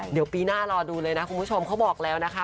เดี๋ยวปีหน้ารอดูเลยนะคุณผู้ชมเขาบอกแล้วนะคะ